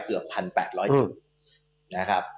เกือบ๑๘๐๐นิด